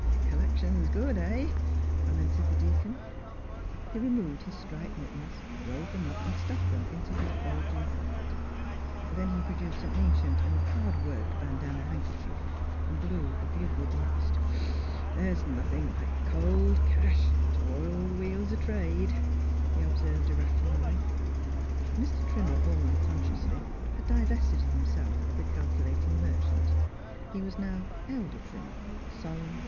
" Collections good — heh," commented the deacon. He removed his striped mittens, rolled them up and stuffed them into his bulg ing pocket. Then he produced an ancient and hard worked bandana handkerchief and blew a bugle blast. "The' 's' nothin' like cold cash t' ile Miss Philura's Wedding Gown th' wheels o' trade," he observed oracu larly. Mr. Trimmer all unconsciously had di "vested himself of the calculating merchant. IHe was now Elder Trimmer, solemn